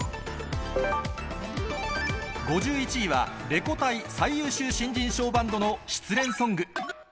５１位はレコ大最優秀新人賞バンドの失恋ソング。